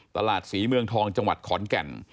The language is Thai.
ตลาดศรีเมืองทองจังหวัดขอนแก่น